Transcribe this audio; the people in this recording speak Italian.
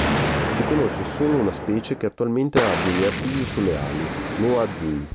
Si conosce solo una specie che attualmente abbia gli artigli sulle ali, l'Hoazin.